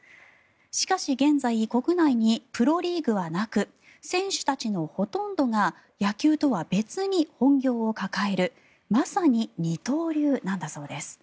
しかし現在、国内にプロリーグはなく選手たちのほとんどが野球とは別に本業を抱えるまさに二刀流なんだそうです。